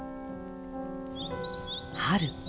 「春」。